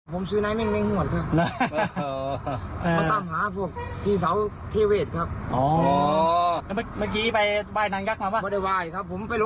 ดอมแป้ให้ฟังหน่อยสิสรุปคือยังไงนะ